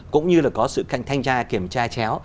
cũng như là có sự cạnh thanh tra kiểm tra chéo